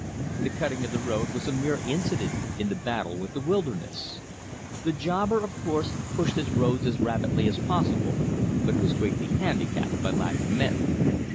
The cutting of the road was a mere incident in the battle with the wilderness. The jobber, of course, pushed his roads as rapidly as possible, but was greatly handicapped by lack of men.